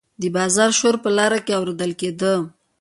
د بازار شور په لاره کې اوریدل کیده.